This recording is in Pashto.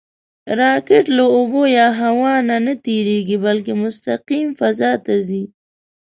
راکټ له اوبو یا هوا نه نهتېرېږي، بلکې مستقیم فضا ته ځي